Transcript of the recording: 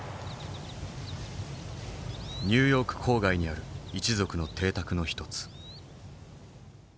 ニューヨーク郊外にある一族の邸宅の一つ。